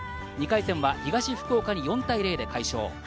２回戦は東福岡に４対０で快勝。